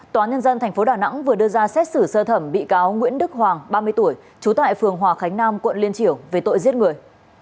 tòa nhân dân tp đà nẵng vừa đưa ra xét xử sơ thẩm bị cáo nguyễn đức hoàng ba mươi tuổi trú tại phường hòa khánh nam quận liên triểu về tội giết người